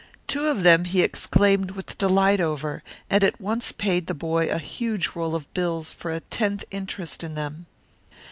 Two of them he exclaimed with delight over, and at once paid the boy a huge roll of bills for a tenth interest in them.